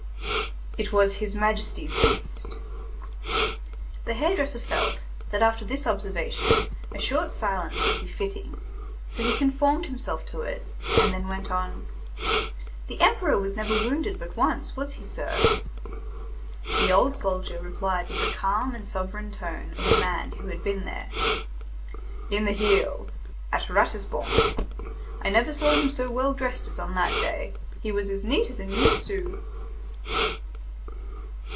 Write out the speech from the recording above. "It was His Majesty's beast." The hair dresser felt, that after this observation, a short silence would be fitting, so he conformed himself to it, and then went on:— "The Emperor was never wounded but once, was he, sir?" The old soldier replied with the calm and sovereign tone of a man who had been there:— "In the heel. At Ratisbon. I never saw him so well dressed as on that day. He was as neat as a new sou."